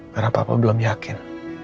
karena papa belum yakin